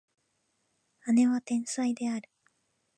姉は天才である